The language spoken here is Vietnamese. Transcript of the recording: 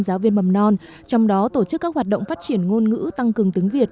giáo viên mầm non trong đó tổ chức các hoạt động phát triển ngôn ngữ tăng cường tiếng việt